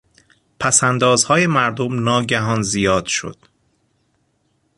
پساندازهای مردم ناگهان زیاد شد.